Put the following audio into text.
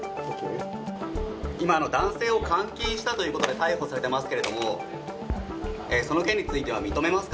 今、男性を監禁したということで逮捕されてますけれども、その件については認めますか？